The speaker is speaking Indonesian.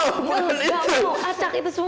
gak mau acak itu semua